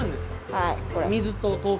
はい。